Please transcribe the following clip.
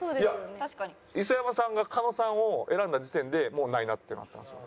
いや磯山さんが狩野さんを選んだ時点でもう「ないな」ってなったんですよ。